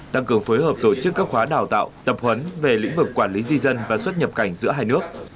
tăng cường phối hợp tổ chức các khóa đào tạo tập huấn về lĩnh vực quản lý di dân và xuất nhập cảnh giữa hai nước